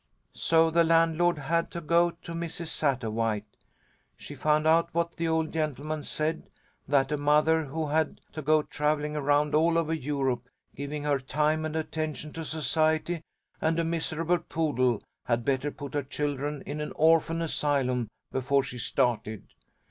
"So the landlord had to go to Mrs. Sattawhite. She found out what the old gentleman said, that a mother who had to go travelling around all over Europe, giving her time and attention to society and a miserable poodle, had better put her children in an orphan asylum before she started.